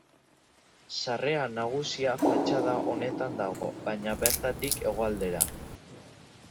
Sarrera nagusia fatxada honetan dago, baina bertatik hegoaldera.